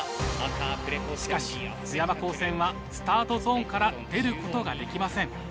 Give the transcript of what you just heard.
しかし津山高専はスタートゾーンから出ることができません。